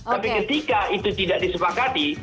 tapi ketika itu tidak disepakati